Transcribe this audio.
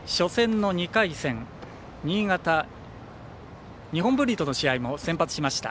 初戦の２回戦新潟・日本文理との試合も先発しました。